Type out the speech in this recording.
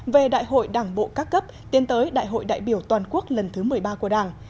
về đại hội đảng bộ các cấp tiến tới đại hội đại biểu toàn quốc lần thứ một mươi ba của đảng